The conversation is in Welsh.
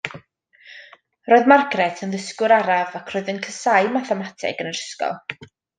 Roedd Margaret yn ddysgwr araf, ac roedd yn casáu mathemateg yn yr ysgol.